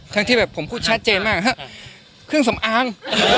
ที่แบบผมพูดชัดเจนมากฮะเครื่องสำอาง